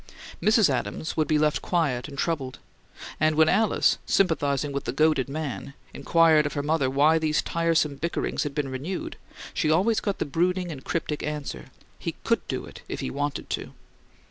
Mrs. Adams would be left quiet and troubled; and when Alice, sympathizing with the goaded man, inquired of her mother why these tiresome bickerings had been renewed, she always got the brooding and cryptic answer, "He COULD do it if he wanted to."